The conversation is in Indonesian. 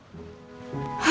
aduh enggak becus